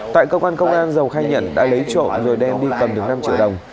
tại công an công an giàu khai nhận đã lấy trộm rồi đem đi cầm được năm triệu đồng